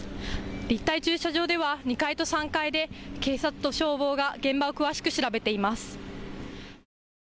立体駐車場では２階と３階で警察と消防が現場を詳しく調べています。